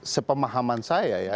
sepemahaman saya ya